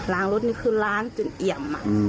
รถนี่คือล้างจนเอี่ยม